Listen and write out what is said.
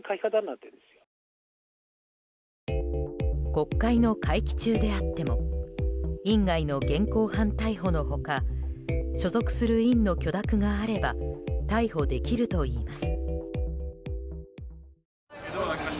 国会の会期中であっても院外の現行犯逮捕の他所属する院の許諾があれば逮捕できるといいます。